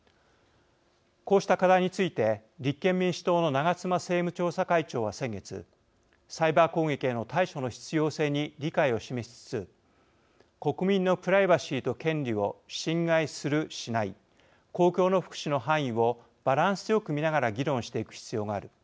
こうした課題について立憲民主党の長妻政務調査会長は、先月サイバー攻撃への対処の必要性に理解を示しつつ国民のプライバシーと権利を侵害する、しない公共の福祉の範囲をバランスよく見ながら議論していく必要がある。